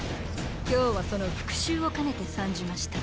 今日はその復習を兼ねて参じました。